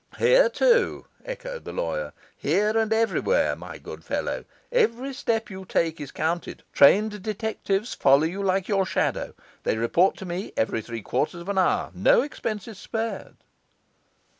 'Here too,' echoed the lawyer; 'here and everywhere, my good fellow; every step you take is counted; trained detectives follow you like your shadow; they report to me every three quarters of an hour; no expense is spared.